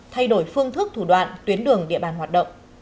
thay đổi phương thức thủ đoạn tuyến đường địa bàn hoạt động